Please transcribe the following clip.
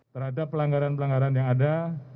terhadap pelanggaran pelanggaran yang ada